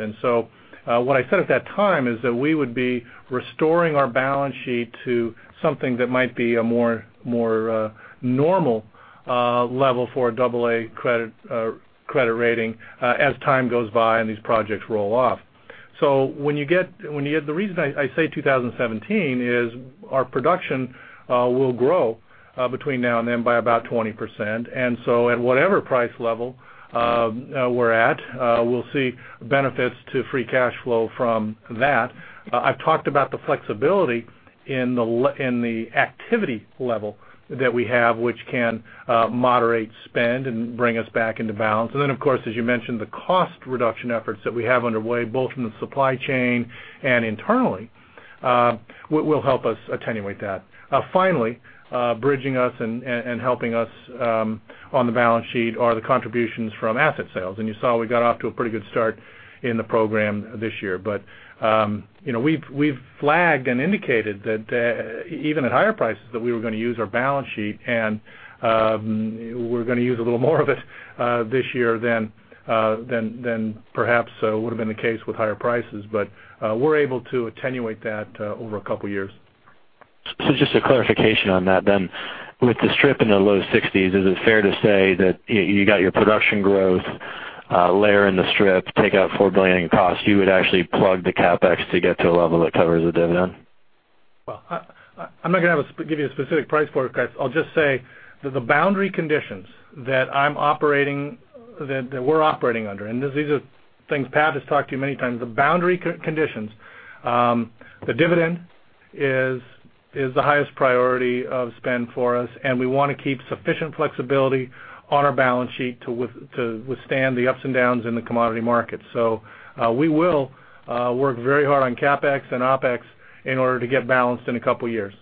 What I said at that time is that we would be restoring our balance sheet to something that might be a more normal level for a AA credit rating as time goes by and these projects roll off. The reason I say 2017 is our production will grow between now and then by about 20%. At whatever price level we're at we'll see benefits to free cash flow from that. I've talked about the flexibility in the activity level that we have, which can moderate spend and bring us back into balance. Then, of course, as you mentioned, the cost reduction efforts that we have underway, both in the supply chain and internally will help us attenuate that. Finally bridging us and helping us on the balance sheet are the contributions from asset sales. You saw we got off to a pretty good start in the program this year. We've flagged and indicated that even at higher prices, that we were going to use our balance sheet and we're going to use a little more of it this year than perhaps would have been the case with higher prices. We're able to attenuate that over a couple of years. Just a clarification on that then. With the strip in the low 60s, is it fair to say that you got your production growth layer in the strip, take out $4 billion in cost, you would actually plug the CapEx to get to a level that covers the dividend? Well, I'm not going to give you a specific price forecast. I'll just say that the boundary conditions that we're operating under, and these are things Pat has talked to you many times, the boundary conditions, the dividend is the highest priority of spend for us, and we want to keep sufficient flexibility on our balance sheet to withstand the ups and downs in the commodity market. We will work very hard on CapEx and OpEx in order to get balanced in a couple of years.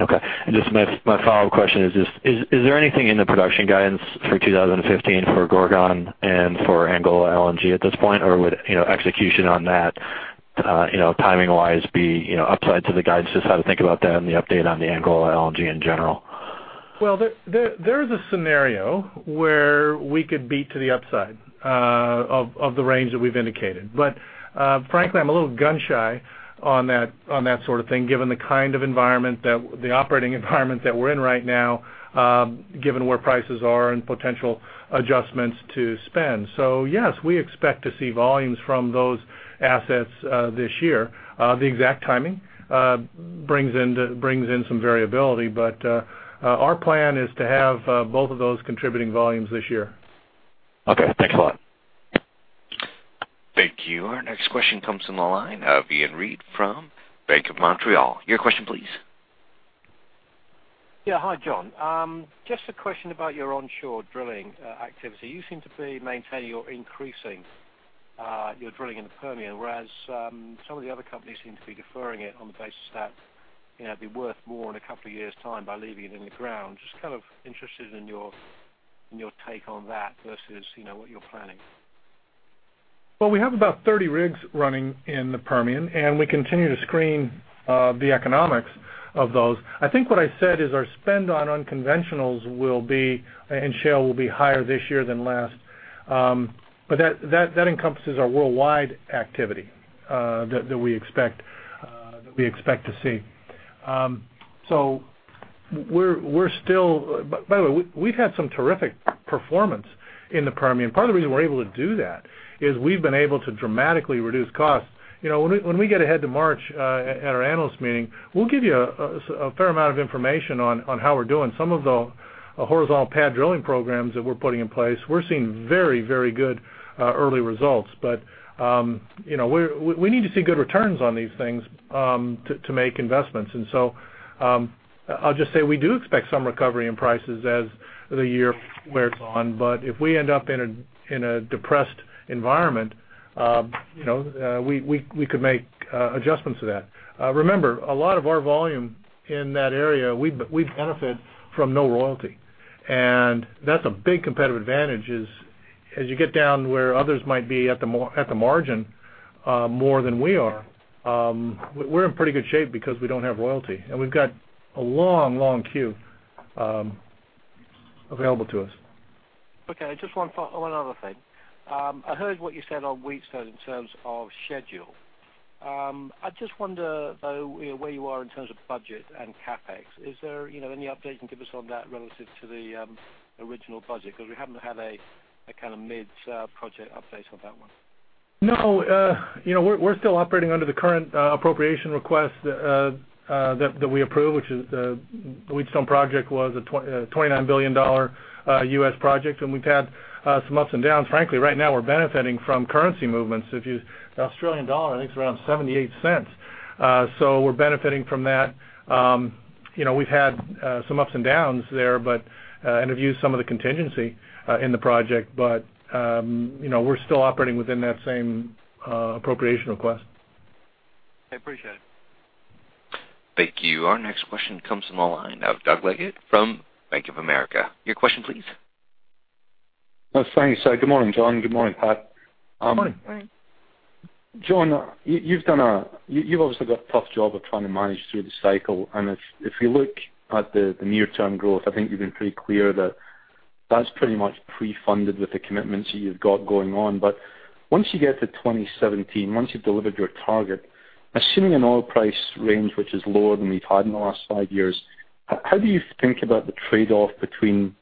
Okay. Just my follow-up question is just is there anything in the production guidance for 2015 for Gorgon and for Angola LNG at this point, or would execution on that timing wise be upside to the guidance? Just how to think about that and the update on the Angola LNG in general. Well, there is a scenario where we could beat to the upside of the range that we've indicated. Frankly, I'm a little gun shy on that sort of thing, given the kind of environment that the operating environment that we're in right now given where prices are and potential adjustments to spend. Yes, we expect to see volumes from those assets this year. The exact timing brings in some variability, but our plan is to have both of those contributing volumes this year. Okay. Thanks a lot. Thank you. Our next question comes from the line of Iain Reid from Bank of Montreal. Your question, please. Yeah. Hi, John. Just a question about your onshore drilling activity. You seem to be maintaining or increasing your drilling in the Permian, whereas some of the other companies seem to be deferring it on the basis that it'd be worth more in a couple of years' time by leaving it in the ground. Just interested in your and your take on that versus what you're planning. We have about 30 rigs running in the Permian, and we continue to screen the economics of those. I think what I said is our spend on unconventionals and shale will be higher this year than last. That encompasses our worldwide activity that we expect to see. By the way, we've had some terrific performance in the Permian. Part of the reason we're able to do that is we've been able to dramatically reduce costs. When we get ahead to March at our analyst meeting, we'll give you a fair amount of information on how we're doing. Some of the horizontal pad drilling programs that we're putting in place, we're seeing very good early results. We need to see good returns on these things to make investments. I'll just say we do expect some recovery in prices as the year wears on. If we end up in a depressed environment, we could make adjustments to that. Remember, a lot of our volume in that area, we benefit from no royalty. That's a big competitive advantage is as you get down where others might be at the margin more than we are, we're in pretty good shape because we don't have royalty. We've got a long queue available to us. Okay. Just one other thing. I heard what you said on Wheatstone in terms of schedule. I just wonder, though, where you are in terms of budget and CapEx. Is there any update you can give us on that relative to the original budget? We haven't had a kind of mid-project update on that one. No. We're still operating under the current appropriation request that we approved, which is the Wheatstone project was a $29 billion U.S. project. We've had some ups and downs. Frankly, right now we're benefiting from currency movements. The Australian dollar, I think, is around 0.78. We're benefiting from that. We've had some ups and downs there and have used some of the contingency in the project. We're still operating within that same appropriation request. I appreciate it. Thank you. Our next question comes from the line of Douglas Leggate from Bank of America. Your question, please. Thanks. Good morning, John. Good morning, Pat. Good morning. Good morning. John, you've obviously got the tough job of trying to manage through the cycle. If you look at the near-term growth, I think you've been pretty clear that that's pretty much pre-funded with the commitments that you've got going on. Once you get to 2017, once you've delivered your target, assuming an oil price range which is lower than we've had in the last five years, how do you think about the trade-off between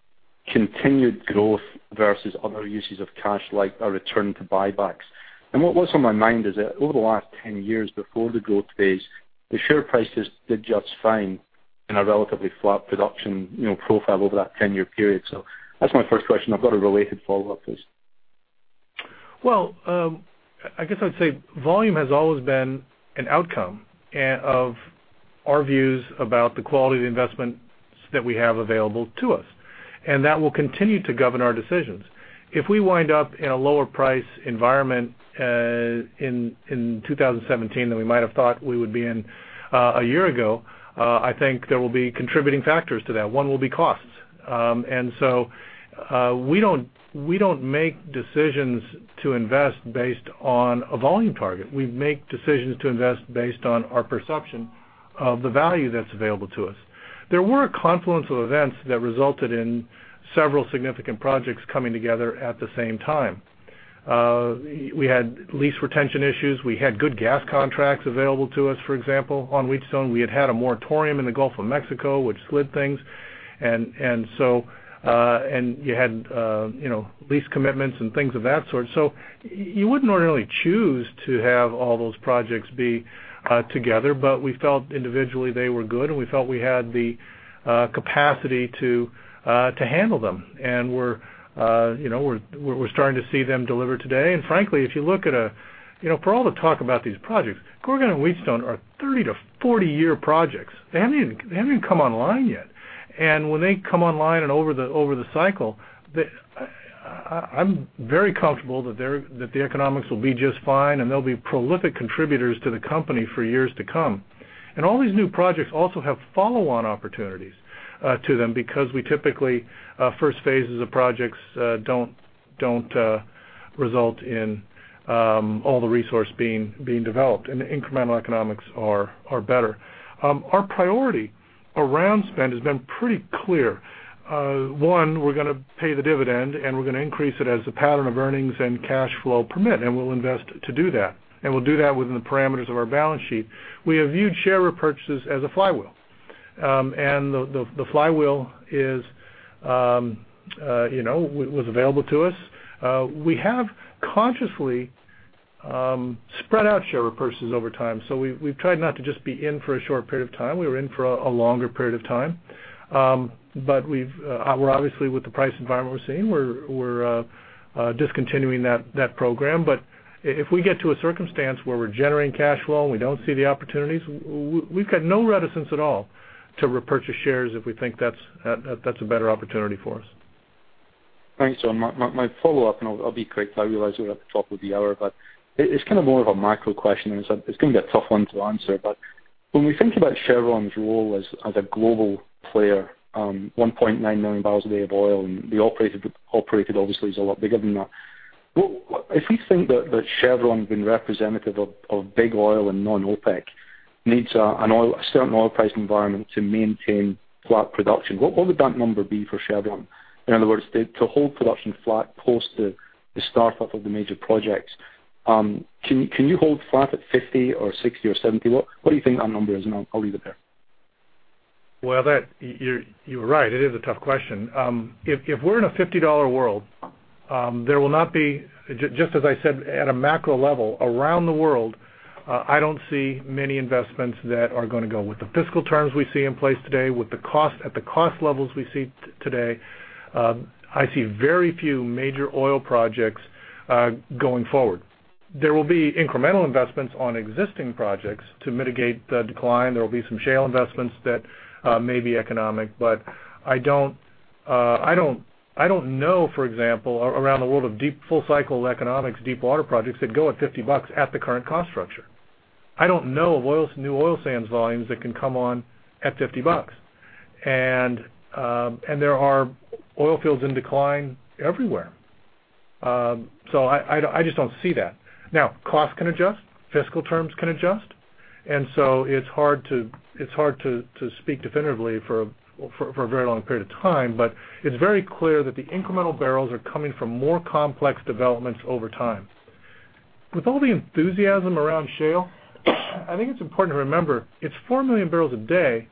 continued growth versus other uses of cash, like a return to buybacks? What's on my mind is that over the last 10 years before the growth phase, the share prices did just fine in a relatively flat production profile over that 10-year period. That's my first question. I've got a related follow-up to this. I guess I'd say volume has always been an outcome of our views about the quality of the investments that we have available to us, and that will continue to govern our decisions. If we wind up in a lower price environment in 2017 than we might have thought we would be in a year ago, I think there will be contributing factors to that. One will be costs. We don't make decisions to invest based on a volume target. We make decisions to invest based on our perception of the value that's available to us. There were a confluence of events that resulted in several significant projects coming together at the same time. We had lease retention issues. We had good gas contracts available to us, for example, on Wheatstone. We had had a moratorium in the Gulf of Mexico, which slid things. You had lease commitments and things of that sort. You wouldn't ordinarily choose to have all those projects be together, but we felt individually they were good, and we felt we had the capacity to handle them. We're starting to see them deliver today. Frankly, for all the talk about these projects, Gorgon and Wheatstone are 30- to 40-year projects. They haven't even come online yet. When they come online and over the cycle, I'm very comfortable that the economics will be just fine, and they'll be prolific contributors to the company for years to come. All these new projects also have follow-on opportunities to them because we typically, first phases of projects don't result in all the resource being developed, and the incremental economics are better. Our priority around spend has been pretty clear. One, we're going to pay the dividend, and we're going to increase it as the pattern of earnings and cash flow permit, and we'll invest to do that. We'll do that within the parameters of our balance sheet. We have viewed share repurchases as a flywheel, and the flywheel was available to us. We have consciously spread out share repurchases over time. We've tried not to just be in for a short period of time. We were in for a longer period of time. Obviously with the price environment we're seeing, we're discontinuing that program. If we get to a circumstance where we're generating cash flow and we don't see the opportunities, we've got no reticence at all to repurchase shares if we think that's a better opportunity for us. Thanks, John. I'll be quick. I realize we're at the top of the hour, but it's kind of more of a macro question. It's going to be a tough one to answer. When we think about Chevron's role as a global player, 1.9 million barrels a day of oil, and the operated obviously is a lot bigger than that. If we think that Chevron, being representative of big oil and non-OPEC, needs a certain oil price environment to maintain flat production, what would that number be for Chevron? In other words, to hold production flat post the startup of the major projects, can you hold flat at 50 or 60 or 70? What do you think that number is? I'll leave it there. Well, you're right. It is a tough question. If we're in a $50 world, just as I said, at a macro level, around the world, I don't see many investments that are going to go. With the fiscal terms we see in place today, with the cost at the cost levels we see today, I see very few major oil projects going forward. There will be incremental investments on existing projects to mitigate the decline. There will be some shale investments that may be economic. I don't know, for example, around the world, of deep full cycle economics, deep water projects that go at 50 bucks at the current cost structure. I don't know of new oil sands volumes that can come on at 50 bucks. There are oil fields in decline everywhere. I just don't see that. Now, cost can adjust, fiscal terms can adjust. It's hard to speak definitively for a very long period of time. It's very clear that the incremental barrels are coming from more complex developments over time. With all the enthusiasm around shale, I think it's important to remember, it's 4 million barrels a day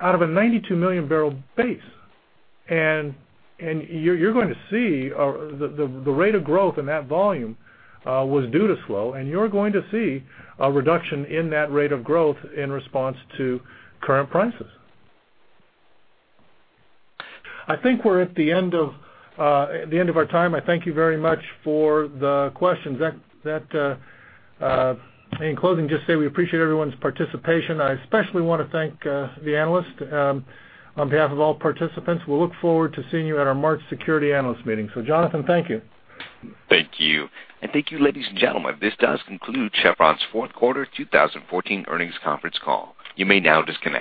out of a 92 million barrel base. You're going to see the rate of growth in that volume was due to slow, and you're going to see a reduction in that rate of growth in response to current prices. I think we're at the end of our time. I thank you very much for the questions. In closing, just say we appreciate everyone's participation. I especially want to thank the analysts on behalf of all participants. We look forward to seeing you at our March security analyst meeting. Jonathan, thank you. Thank you. Thank you, ladies and gentlemen. This does conclude Chevron's fourth quarter 2014 earnings conference call. You may now disconnect.